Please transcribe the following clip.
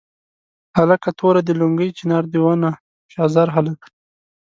هلکه توره دې لونګۍ چنار دې ونه شاه زار هلکه.